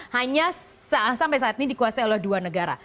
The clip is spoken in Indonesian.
hanya sampai saat ini dikuasai oleh dua negara